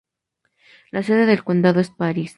La sede del condado es París.